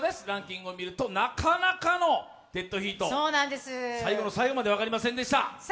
ランキングを見るとなかなかのデッドヒート、最後の最後まで分かりませんでした。